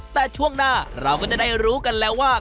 แต่ช่วงหน้าเราก็จะได้รู้กันแล้วว่า